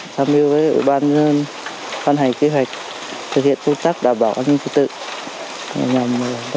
tạm biệt với ủy ban dân phân hành kế hoạch thực hiện phương tác đảm bảo an ninh trật tự nhằm đánh đạo các ban ngành đạt thể